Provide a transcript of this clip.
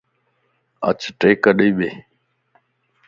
اچ ٽيڪ ڏئي ٻي